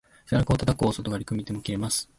背中をたたく大外刈り、組み手も切れます。